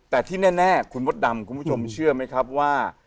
แต่ที่แน่คุณมดดำคุณผู้ชมเชื่อไหมครับว่า